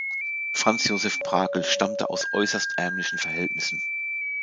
Franz Josef Brakl stammte aus äußerst ärmlichen Verhältnissen.